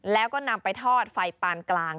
แล้วก็นำไปทอดไฟปานกลาง